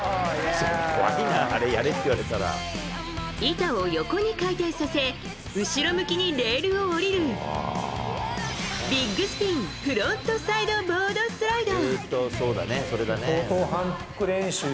板を横に回転させ後ろ向きにレールを降りるビッグスピンフロントサイドボードスライド。